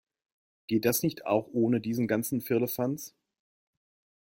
Geht das nicht auch ohne diesen ganzen Firlefanz?